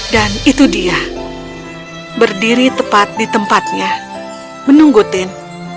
dan itu dia berdiri tepat di tempatnya menunggu tim